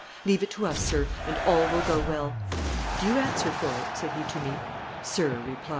Leave it to us, sir, and all will go well.' "Do you answer for it?" said he to me. 'Sir,' replied.